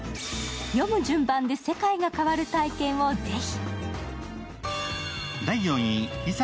読む順番で世界が変わる体験をぜひ。